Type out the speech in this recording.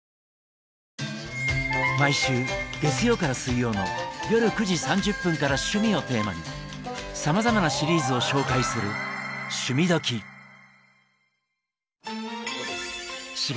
毎週月曜から水曜の夜９時３０分から趣味をテーマにさまざまなシリーズを紹介する「趣味どきっ！」。